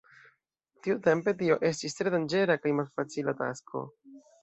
Tiutempe tio estis tre danĝera kaj malfacila tasko.